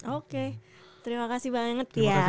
oke terima kasih banget ya